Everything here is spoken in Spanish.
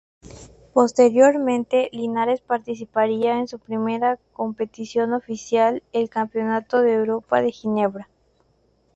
Posteriormente, Linares participaría en su primera competición oficial, el Campeonato de Europa de Ginebra.